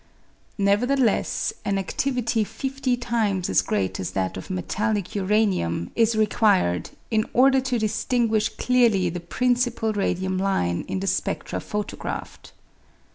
Nevertheless, an adivity fifty times as great as that of metallic uranium is required in order to distinguish clearly the principal radium line in the spedra photographed.